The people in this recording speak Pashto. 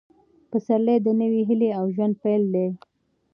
پسرلی د نوې هیلې او ژوند پیل دی.